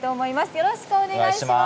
よろしくお願いします。